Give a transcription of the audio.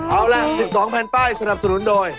เอาละ๑๒แผ่นป้ายสนับสนุนโดย